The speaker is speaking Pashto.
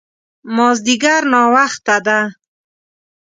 مازديګر ناوخته ده